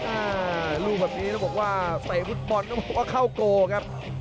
อ่าลูกแบบนี้ต้องบอกว่าเตะฟุตบอลต้องบอกว่าเข้าโกครับ